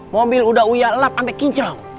mobil udah uyalap sampe kincel